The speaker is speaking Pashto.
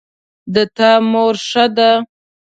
د تا مور ښه ده